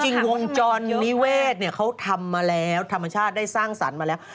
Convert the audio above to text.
จริงวงจรนิเวศเขาทำมาแล้วธรรมชาติได้สร้างสรรค์มาแล้ว